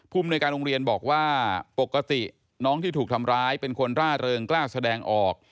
มนุยการโรงเรียนบอกว่าปกติน้องที่ถูกทำร้ายเป็นคนร่าเริงกล้าแสดงออก